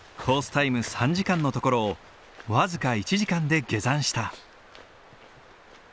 タイム３時間のところを僅か１時間で下山した。